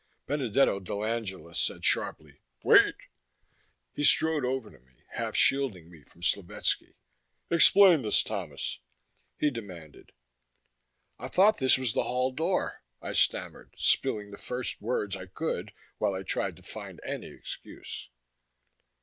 Benedetto dell'Angela said sharply, "Wait!" He strode over to me, half shielding me from Slovetski. "Explain this, Thomas," he demanded. "I thought this was the hall door," I stammered, spilling the first words I could while I tried to find any excuse....